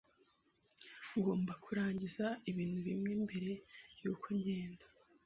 Ngomba kurangiza ibintu bimwe mbere yuko ngenda.